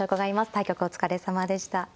対局お疲れさまでした。